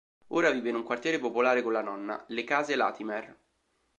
Ora vive in un quartiere popolare con la nonna, le Case Latimer.